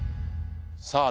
さあ